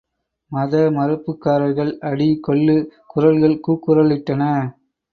மத மறுப்புக்காரர்கள்! அடி, கொல்லு! குரல்கள் கூக்குரலிட்டன.